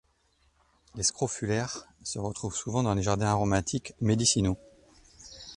Les scrofulaires se retrouvent souvent dans les jardins aromatiques médicinaux.